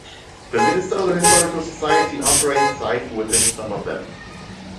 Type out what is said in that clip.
The Minnesota Historical Society operates sites within some of them.